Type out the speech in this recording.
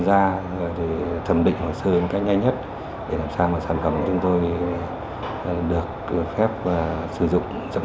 gia thẩm định hỏi sơ cách nhanh nhất để làm sao mà sản phẩm của chúng tôi được phép sử dụng chậm